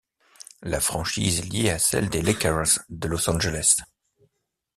La franchise est liée à celle des Lakers de Los Angeles.